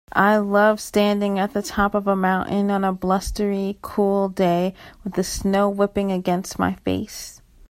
I love standing at the top of a mountain on a blustery, cool day with the snow whipping against my face.